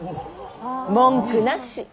文句なし。